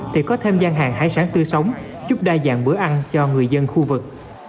thì có thêm gian hàng hải sản tươi sống chúc đa dạng bữa ăn cho người dân khu vực